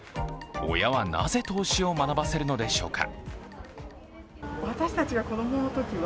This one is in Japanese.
親はなぜ投資を学ばせるのでしょうか。